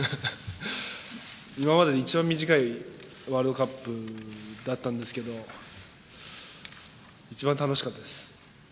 今までで一番短いワールドカップだったんですけど、一番楽しかったです。